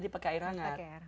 dipakai air hangat